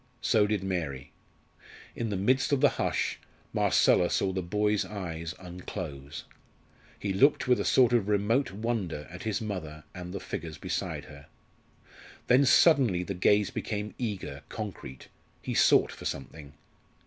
So did Mary. In the midst of the hush, Marcella saw the boy's eyes unclose. He looked with a sort of remote wonder at his mother and the figures beside her. Then suddenly the gaze became eager, concrete; he sought for something.